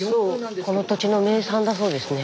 この土地の名産だそうですね